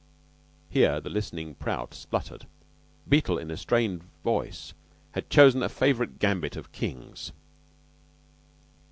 Here the listening Prout sputtered: Beetle, in a strained voice, had chosen a favorite gambit of King's.